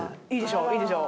いいでしょ？